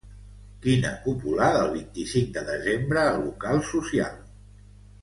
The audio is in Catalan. Quina popular del vint-i-cinc de desembre al local social.